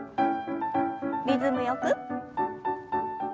リズムよく。